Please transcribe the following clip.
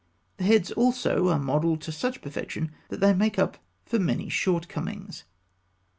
The heads also are modelled to such perfection that they make up for many shortcomings.